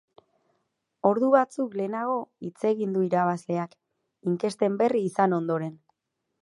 Ordu batzuk lehenago hitz egin du irabazleak, inkesten berri izan ondoren.